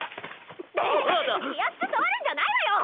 って気安く触るんじゃないわよ！